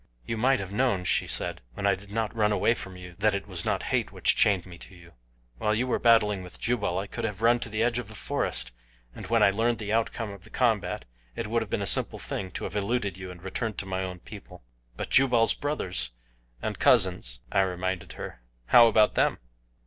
"You might have known," she said, "when I did not run away from you that it was not hate which chained me to you. While you were battling with Jubal, I could have run to the edge of the forest, and when I learned the outcome of the combat it would have been a simple thing to have eluded you and returned to my own people." "But Jubal's brothers and cousins " I reminded her, "how about them?"